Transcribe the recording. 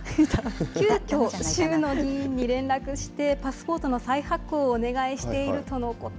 急きょ州の議員に連絡して、パスポートの再発行をお願いしているとのこと。